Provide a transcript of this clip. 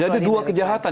jadi dua kejahatan